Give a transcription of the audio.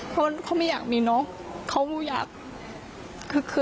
เพราะเขาไม่อยากมีน้องเขาอยาก